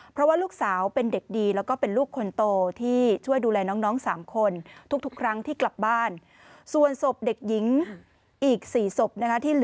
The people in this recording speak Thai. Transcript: เพราะว่าลูกสาวเป็นเด็กดีแล้วก็เป็นลูกคนโตที่ช่วยดูแลน้อง๓คนทุกครั้งที่กลับบ้านส่วนศพเด็กหญิงอีก๔ศพนะคะ